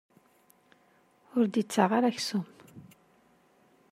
Ur d-ittaɣ ara aksum.